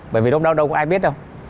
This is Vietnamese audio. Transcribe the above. bởi vì lúc đó đâu có ai biết đâu